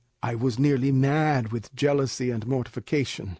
I was nearly mad with jealousy and mortification.